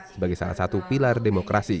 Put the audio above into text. sebagai salah satu pilar demokrasi